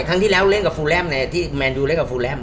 ครั้งที่เรากับแมนนดูเล่นกับฟุแลม